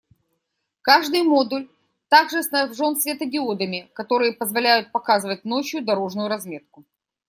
Каждый модуль также снабжен светодиодами, которые позволяют «показывать» ночью дорожную разметку.